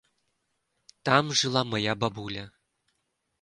Там жыла мая бабуля.